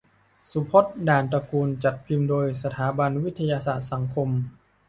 สุพจน์ ด่านตระกูล จัดพิมพ์โดย สถาบันวิทยาศาสตร์สังคม